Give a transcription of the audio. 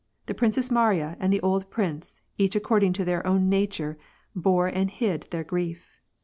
i The Princess Mariya and the old prince, each according to I their own nature, bore and hid their grief.